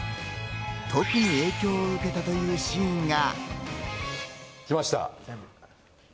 特に影響を受けたというシーンが。